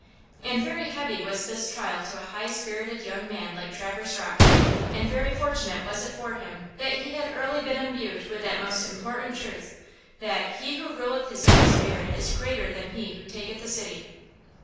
And very heavy was this trial to a high spirited young man like Traverse Rocke, and very fortunate was it for him that he had early been imbued with that most important truth, that "He who ruleth his own spirit is greater than he who taketh a city."